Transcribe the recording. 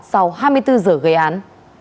sau hai mươi bốn giờ gây án